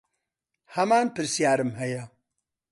هەمان پرسیارم هەیە.